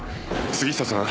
杉下さん。